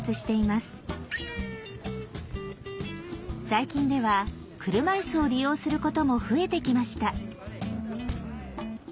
最近では車いすを利用することも増えてきました。